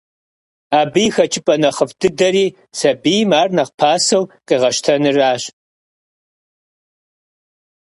Абы и хэкӏыпӏэ нэхъыфӏ дыдэри сабийм ар нэхъ пасэу къегъэщтэнращ.